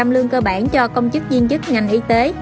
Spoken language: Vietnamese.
một mươi lương cơ bản cho công chức viên chức ngành y tế